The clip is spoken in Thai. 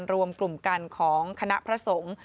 รวมกลุ่มกันของคณะพระสงฆ์